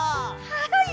はい。